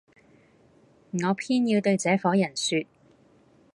我偏要對這夥人説，